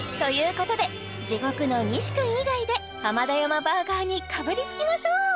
ことで地獄の西君以外で浜田山バーガーにかぶりつきましょう！